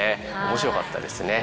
面白かったですね。